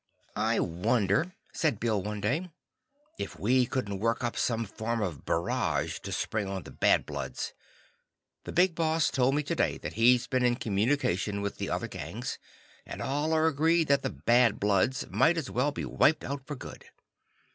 "I wonder," said Bill one day, "if we couldn't work up some form of barrage to spring on the Bad Bloods. The Big Boss told me today that he's been in communication with the other gangs, and all are agreed that the Bad Bloods might as well be wiped out for good.